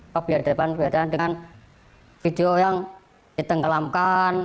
tapi ada depan depan dengan video yang ditenggelamkan